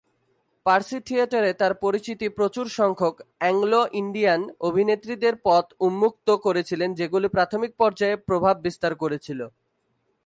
পার্সি থিয়েটারে তাঁর পরিচিতি প্রচুর সংখ্যক "অ্যাংলো-ইন্ডিয়ান" অভিনেত্রীদের পথ উন্মুক্ত করেছিলেন যেগুলি প্রাথমিক পর্যায়ে প্রভাব বিস্তার করেছিল।